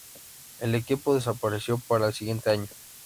El equipo desapareció para el siguiente año.